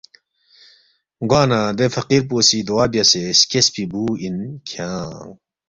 گوانہ دے فقیر پو سی دُعا بیاسے سکیسفی بُو اِن کھیانگ